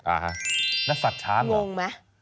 อ่าฮะนักสัตว์ช้างเหรอ